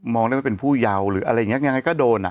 มองได้มาเป็นผู้ยาวแล้วก็โดน